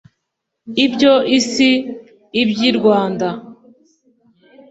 ibyo si iby'i rwanda